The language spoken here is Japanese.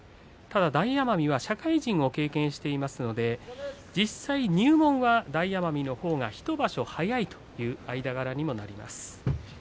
ただ大奄美は社会人を経験していますので実際、入門は大奄美のほうが１場所早いという間柄になります。